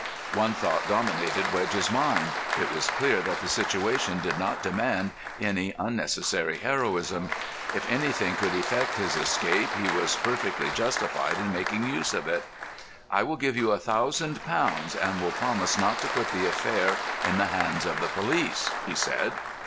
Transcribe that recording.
One thought dominated Wedge's mind. It was clear that the situation did not demand any unnecessary heroism. If anything could effect his escape he was perfectly justified in making use of it. "I will give you a thousand pounds, and will promise not to put the affair in the hands of the police," he said.